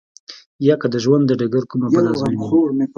يا که د ژوند د ډګر کومه بله ازموينه وي.